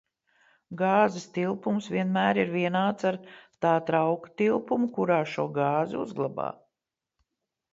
Gāzes tilpums vienmēr ir vienāds ar tā trauka tilpumu, kurā šo gāzi uzglabā.